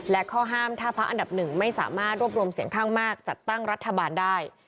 และข้อห้ามถ้าพักอันดับหนึ่งไม่สามารถรวบรวมเสียงข้างมากจัดตั้งรัฐบาลได้